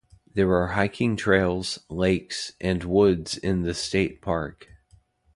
There are hiking trails, lakes, and woods in the state park.